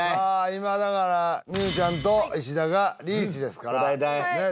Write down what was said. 今だから望結ちゃんと石田がリーチですから答えたいねえ